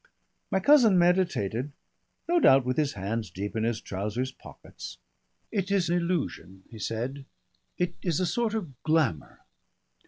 My cousin meditated, no doubt with his hands deep in his trousers' pockets. "It is illusion," he said. "It is a sort of glamour.